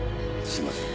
すみません。